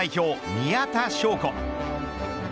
宮田笙子。